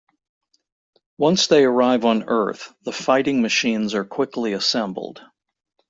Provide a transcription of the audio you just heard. Once they arrive on Earth, the fighting machines are quickly assembled.